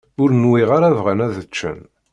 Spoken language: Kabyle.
Ur nwiɣ ara bɣan ad ččen.